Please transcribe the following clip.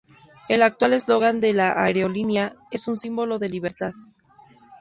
El actual eslogan de la aerolínea es "Un símbolo de libertad".